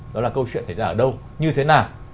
đó là câu chuyện xảy ra ở đâu như thế nào